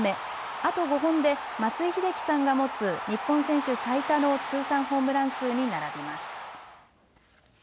あと５本で松井秀喜さんが持つ日本選手最多の通算ホームラン数に並びます。